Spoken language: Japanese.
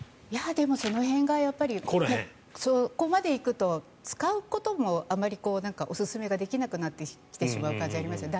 でも、その辺がそこまで行くと使うこともあまりおすすめができなくなってしまう感じがありますね。